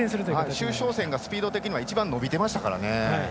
周召倩がスピード的には一番伸びてましたから。